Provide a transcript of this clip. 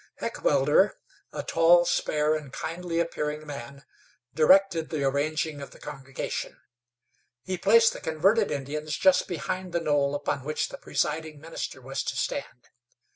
Heckewelder a tall, spare, and kindly appearing man directed the arranging of the congregation. He placed the converted Indians just behind the knoll upon which the presiding minister was to stand.